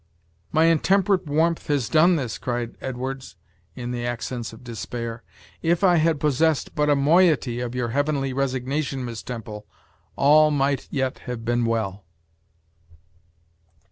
"My intemperate warmth has done this!" cried Edwards, in the accents of despair. "If I had possessed but a moiety of your heavenly resignation, Miss Temple, all might yet have been well."